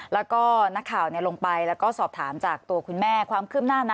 แล้วก็นักข่าวลงไปแล้วก็สอบถามจากตัวคุณแม่ความคืบหน้านะ